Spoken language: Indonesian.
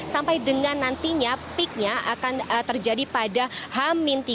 sampai dengan nantinya peaknya akan terjadi pada hamin tiga